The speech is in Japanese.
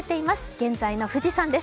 現在の富士山です。